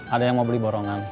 ada yang mau beli borongan